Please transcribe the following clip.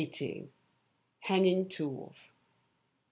Hanging Tools.